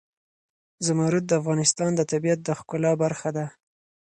زمرد د افغانستان د طبیعت د ښکلا برخه ده.